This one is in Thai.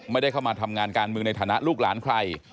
ไม่ได้เข้ามาทำงานการเมืองในฐานะลูกหลานใคร